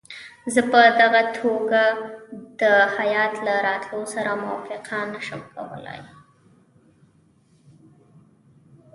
زه په دغه توګه د هیات له راتلو سره موافقه نه شم کولای.